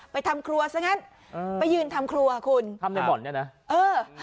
ทำครัวซะงั้นเออไปยืนทำครัวคุณทำในบ่อนเนี่ยนะเออ